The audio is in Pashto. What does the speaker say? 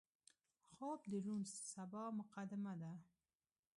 خوب د روڼ سبا مقدمه ده